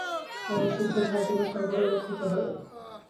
পরমশুদ্ধ ভাব যেন সর্বদা রক্ষিত হয়।